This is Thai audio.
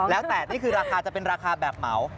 แล้วแต่นี่คือราคาจะเป็นราคาแบบเหมา